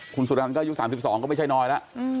คุณสุรันก็อายุ๓๒ก็ไม่ใช่น้อยแล้ว